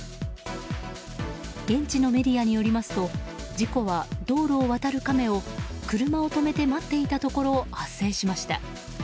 現地のメディアによりますと事故は道路を渡るカメを車を止めて待っていたところ発生しました。